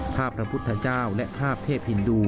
พระพุทธเจ้าและภาพเทพฮินดู